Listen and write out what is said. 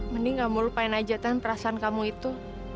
mending kamu lupain aja kan perasaan kamu itu